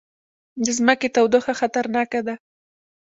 د ځمکې تودوخه خطرناکه ده